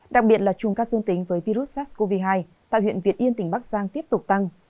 đặc biệt là chùm ca dương tính với virus sars cov hai tại huyện việt yên tỉnh bắc giang tiếp tục tăng